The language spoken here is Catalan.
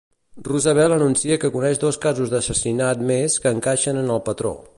Roosevelt anuncia que coneix dos casos d'assassinat més que encaixen en el patró.